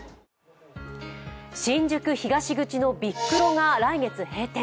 新宿東口のビックロが来月閉店。